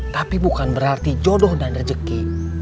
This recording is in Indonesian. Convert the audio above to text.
tapi bukan berarti jodoh dan rejeki